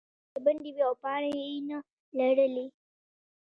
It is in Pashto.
ونې بربنډې وې او پاڼې یې نه لرلې.